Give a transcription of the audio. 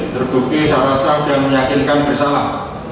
terbukti salah salah dan meyakinkan bersalah